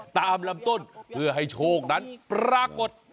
ตามลำต้นเพื่อให้โชคนั้นปรากฏ